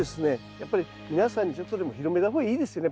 やっぱり皆さんにちょっとでも広めた方がいいですよね